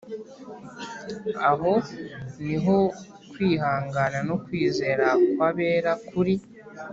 Aho niho kwihangana no kwizera kw abera kuri